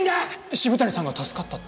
渋谷さんが助かったって？